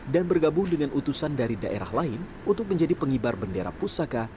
dan bergabung dengan utusan dari daerah lain untuk menjadi penghibar bendera pusaka